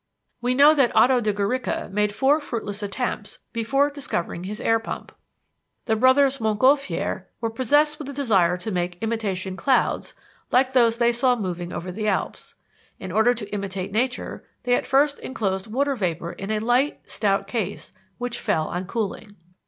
We know that Otto de Guericke made four fruitless attempts before discovering his air pump. The brothers Montgolfier were possessed with the desire to make "imitation clouds," like those they saw moving over the Alps. "In order to imitate nature," they at first enclosed water vapor in a light, stout case, which fell on cooling.